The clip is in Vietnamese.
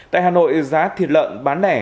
tại hà nội giá thịt lợn bán nẻ